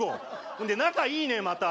ほんで仲いいねまた。